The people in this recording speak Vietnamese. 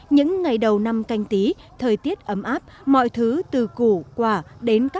những ngày đầu năm canh tí thời tiết ấm áp mọi thứ từ củ quả đến các